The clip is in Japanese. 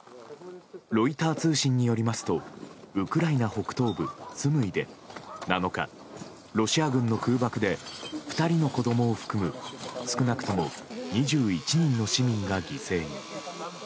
ロイター通信によりますとウクライナ北東部スムイで７日、ロシア軍の空爆で２人の子供を含む少なくとも２１人の市民が犠牲に。